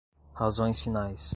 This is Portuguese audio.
razões finais